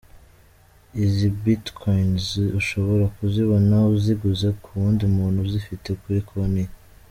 Izi bitcoins ushobora kuzibona uziguze ku wundi muntu uzifite kuri konti ye.